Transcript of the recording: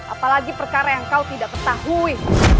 apalagi perkara yang kau tidak ketahui